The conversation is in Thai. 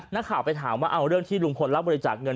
นักข่าวไปถามว่าเอาเรื่องที่ลุงพลรับบริจาคเงิน